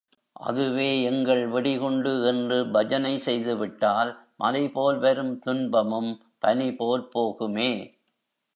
அதுவே எங்கள் வெடிகுண்டு என்று பஜனை செய்துவிட்டால், மலைபோல் வரும் துன்பமும் பனி போல் போகுமே!